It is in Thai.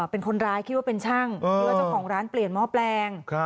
เป็นคนร้ายคิดว่าเป็นช่างคิดว่าเจ้าของร้านเปลี่ยนหม้อแปลง